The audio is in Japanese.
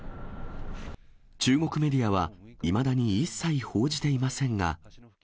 中国メディアは、いまだに一切報じていませんが。